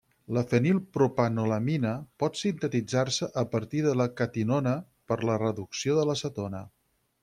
La fenilpropanolamina pot sintetitzar-se a partir de la catinona per la reducció de la cetona.